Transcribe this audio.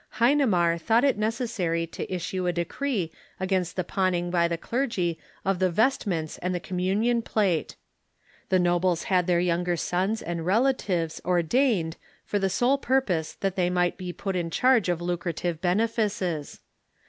Hincmar tliought it necessary to issue a decree against the pawning by the clergy of the vestments and the communion plate. The nobles had their younger sons and relatives ordained for the sole purpose that they might be put in charge of lucrative benefices.